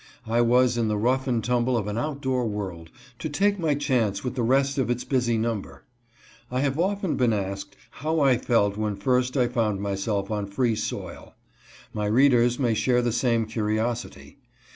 I was in the rough and tumble of an outdoor world, to take my chance with the rest of its busy number. I have often been asked, how I felt when first I found myself on free soil. My readers may share the same curiosity.